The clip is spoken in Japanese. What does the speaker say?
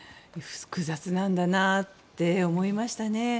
複雑なんだなって思いましたね。